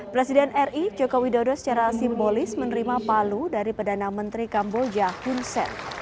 presiden ri joko widodo secara simbolis menerima palu dari perdana menteri kamboja hun sen